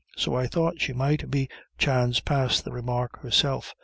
So I thought she might be chance pass the remark herself.